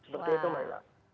seperti itu mbak hilah